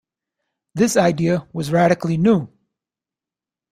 This idea was radically new.